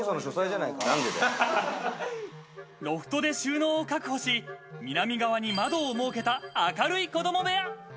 ロフトで収納を確保し、南側に窓を設けた明るい子ども部屋。